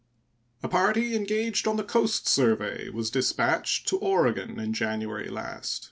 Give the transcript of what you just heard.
A party engaged on the coast survey was dispatched to Oregon in January last.